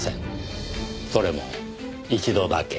それも一度だけ。